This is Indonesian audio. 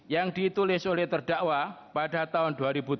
yang ditulis oleh terdakwa pada tahun dua ribu delapan